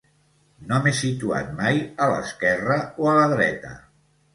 No m’he situat mai a l’esquerra o a la dreta.